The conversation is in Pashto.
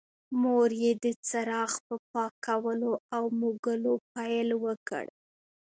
مور یې د څراغ په پاکولو او موږلو پیل وکړ.